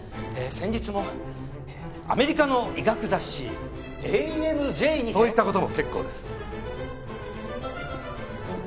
先日もアメリカの医学雑誌『ＡＭＪ』にて。そういった事も結構です。